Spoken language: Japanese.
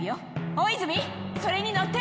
大泉、それに乗って。